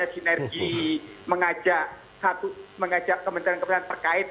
mampu untuk mengusul misalnya sinergi mengajak satu mengajak kementerian kementerian terkait